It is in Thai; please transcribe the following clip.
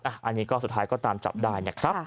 อันนี้สุดท้ายก็ตามจับได้